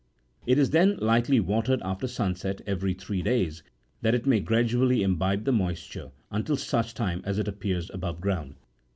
It is then lightly watered after sunset every three days, that it may gradually imbibe the moisture until such time as it appears above ground.